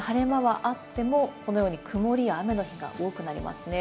晴れ間はあっても、このように曇りや雨の日が多くなりますね。